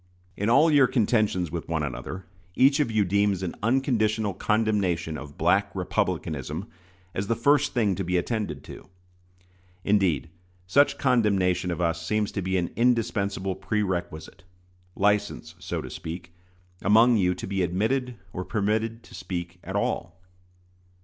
In all your contentions with one another, each of you deems an unconditional condemnation of "Black Republicanism" as the first thing to be attended to. Indeed, such condemnation of us seems to be an indispensable prerequisite license, so to speak among you to be admitted or permitted to speak at all.